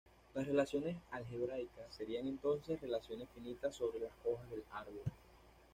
Las relaciones algebraicas serían entonces relaciones finitas sobre las hojas del árbol.